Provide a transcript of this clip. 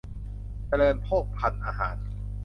เจริญโภคภัณฑ์อาหาร